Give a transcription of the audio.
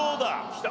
きた。